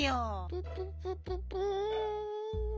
プププププ。